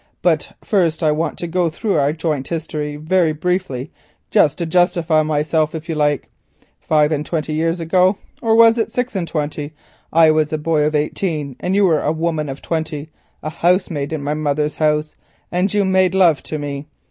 But first I want to go though our joint history, very briefly, just to justify myself if you like. Five and twenty years ago, or was it six and twenty, I was a boy of eighteen and you were a woman of twenty, a housemaid in my mother's house, and you made love to me.